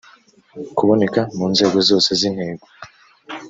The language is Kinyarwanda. kuboneka mu nzego zose z intego